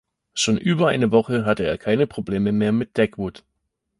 Schon über eine Woche hatte er keine Probleme mehr mit Dagwood.